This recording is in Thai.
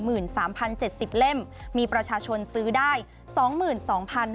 หมื่นสามพันเจ็ดสิบเล่มมีประชาชนซื้อได้สองหมื่น